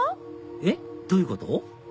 えっ？どういうこと？